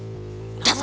tpn dws sudah ada